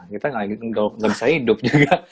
kita gak bisa hidup juga